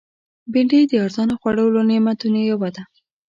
بېنډۍ د ارزانه خوړو له نعمتونو یوه ده